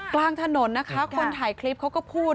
กลางถนนนะคะคนถ่ายคลิปเขาก็พูด